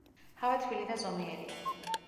ჰავა თბილი და ზომიერია.